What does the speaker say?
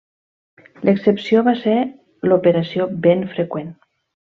L'excepció va ser l'Operació Vent Freqüent.